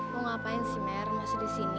mau ngapain sih mer masih di sini